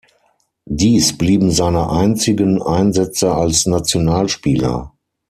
Dies blieben seine einzigen Einsätze als Nationalspieler.